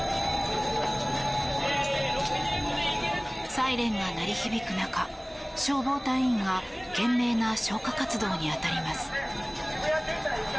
サイレンが鳴り響く中消防隊員が懸命な消火活動に当たります。